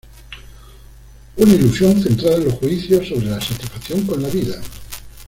Una ilusión centrada en los juicios sobre la satisfacción con la vida"".